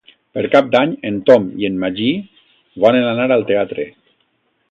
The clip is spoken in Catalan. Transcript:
Per Cap d'Any en Tom i en Magí volen anar al teatre.